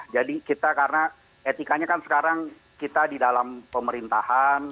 jadi kita karena etikanya kan sekarang kita di dalam pemerintahan